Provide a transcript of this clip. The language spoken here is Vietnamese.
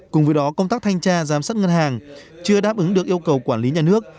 cùng với đó công tác thanh tra giám sát ngân hàng chưa đáp ứng được yêu cầu quản lý nhà nước